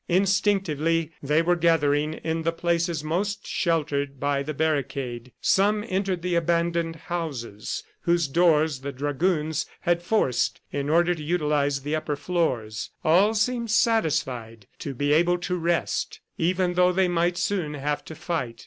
Instinctively they were gathering in the places most sheltered by the barricade. Some entered the abandoned houses whose doors the dragoons had forced in order to utilize the upper floors. All seemed satisfied to be able to rest, even though they might soon have to fight.